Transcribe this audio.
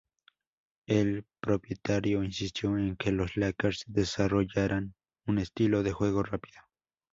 El propietario insistió en que los Lakers desarrollaran un estilo de juego rápido.